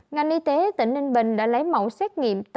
ngành y tế tỉnh ninh bình đã lấy mẫu xét nghiệm